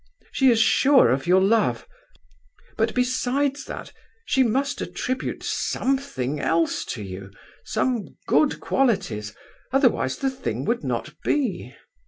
She is sure of your love; but besides that, she must attribute something else to you—some good qualities, otherwise the thing would not be.